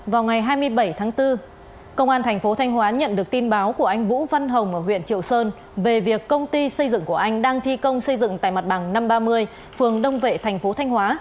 vào ngày hai mươi bảy tháng bốn công an thành phố thanh hóa nhận được tin báo của anh vũ văn hồng ở huyện triệu sơn về việc công ty xây dựng của anh đang thi công xây dựng tại mặt bằng năm trăm ba mươi phường đông vệ thành phố thanh hóa